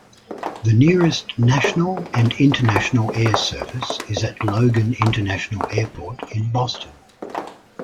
The nearest national and international air service is at Logan International Airport in Boston.